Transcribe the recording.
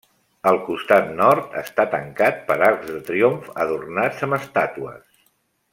El costat nord està tancat per arcs de triomf adornats amb estàtues.